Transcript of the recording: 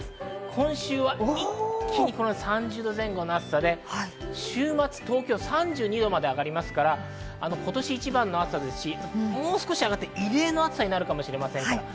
今週は一気に３０度前後の暑さで、週末、東京は３２度まで上がりますから、今年一番の暑さですし、もう少し上がって、異例の暑さになるかもしれません。